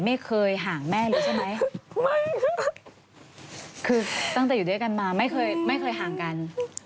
ไม่เคยห่างแม่เลยใช่ไหมไม่คือตั้งแต่อยู่ด้วยกันมาไม่เคยไม่เคยห่างกัน